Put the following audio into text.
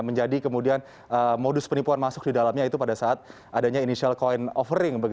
menjadi kemudian modus penipuan masuk di dalamnya itu pada saat adanya initial coin offering